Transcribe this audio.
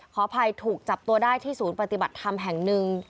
ขออภัยถูกจับตัวได้ที่ศูนย์ปฏิบัติธรรมแห่งหนึ่ง